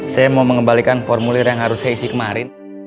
saya mau mengembalikan formulir yang harus saya isi kemarin